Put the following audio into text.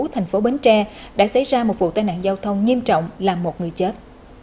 thành phố bến tre đã xảy ra một vụ tai nạn giao thông nghiêm trọng làm một người chết